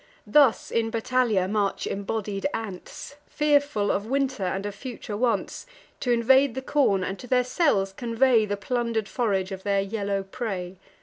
Thus, in battalia, march embodied ants, Fearful of winter, and of future wants, T' invade the corn, and to their cells convey The plunder'd forage of their yellow prey.